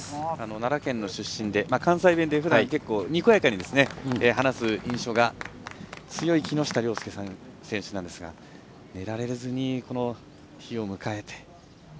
奈良県出身で、関西弁で結構にこやかに話す印象が強い木下稜介選手なんですが寝られずに、この日を迎えて。